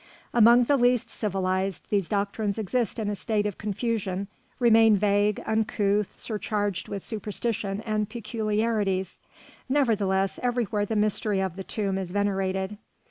Among the least civilised these doctrines exist in a state of confusion, remain vague, uncouth, surcharged with superstition and peculiarities. Nevertheless, everywhere the mystery of the tomb is venerated.